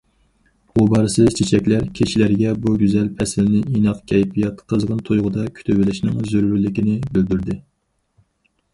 غۇبارسىز چېچەكلەر كىشىلەرگە بۇ گۈزەل پەسىلنى ئىناق كەيپىيات، قىزغىن تۇيغۇدا كۈتۈۋېلىشنىڭ زۆرۈرلۈكىنى بىلدۈردى.